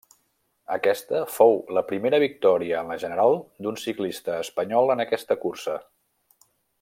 Aquesta fou la primera victòria en la general d'un ciclista espanyol en aquesta cursa.